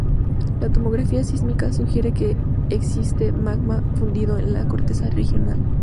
La tomografía sísmica sugiere que existe magma fundido en la corteza regional.